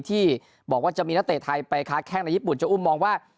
ที่บอกว่าจะมีนักเตะไทยไปค้าแข้งในญี่ปุ่นจะอุ้มมองว่า